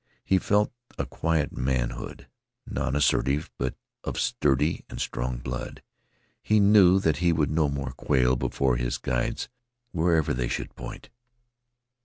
He felt a quiet manhood, nonassertive but of sturdy and strong blood. He knew that he would no more quail before his guides wherever they should point.